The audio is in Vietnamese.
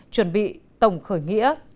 chuẩn bị tổng khởi nghĩa